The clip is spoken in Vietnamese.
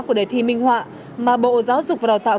của đề thi minh họa mà bộ giáo dục và đào tạo